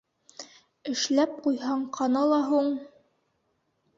Эшләп ҡуйһаң ҡана ла һуң!